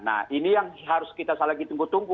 nah ini yang harus kita selagi tunggu